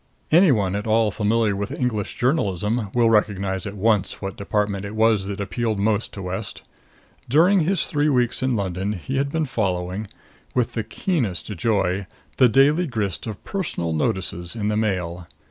Any one at all familiar with English journalism will recognize at once what department it was that appealed most to West. During his three weeks in London he had been following, with the keenest joy, the daily grist of Personal Notices in the Mail.